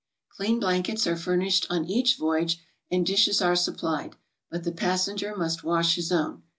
Clean blankets are furnis'hed on each voyage and dishes are supplied, but the passenger must wash his own.